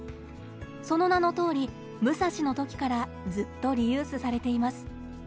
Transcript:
その名のとおり「武蔵ＭＵＳＡＳＨＩ」の時からずっとリユースされています。